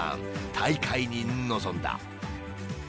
大会に臨んだ。